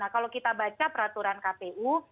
kalau kita baca peraturan kpu